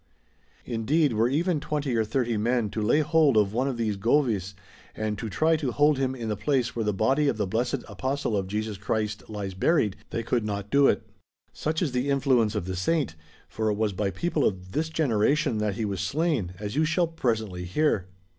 Indeed, were even 20 or 30 men to lay hold of one of these Govis and to try to hold him in the place where the Body of the Blessed Apostle of Jesus Christ lies buried, they could not do it ! Such is the influence of the Saint ; for it was by people of this generation that he was slain, as you shall presently hear."